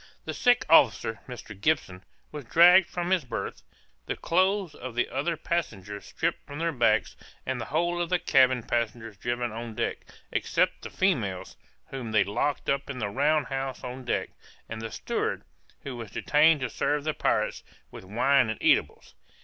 The sick officer, Mr. Gibson, was dragged from his berth; the clothes of the other passengers stripped from their backs, and the whole of the cabin passengers driven on deck, except the females, whom they locked up in the round house on deck, and the steward, who was detained to serve the pirates with wine and eatables.